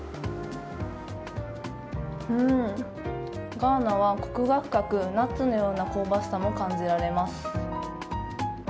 ガーナはコクが深くナッツのような香ばしさも感じられます。